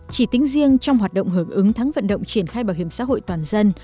chỉ tính riêng trong hoạt động hợp ứng thắng vận động triển khai bảo hiểm xã hội toàn dân